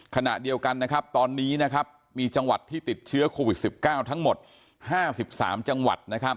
ขณะเดียวกันนะครับตอนนี้มีจังหวัดที่ติดเชื้อโควิด๑๙ทั้งหมด๕๓จังหวัด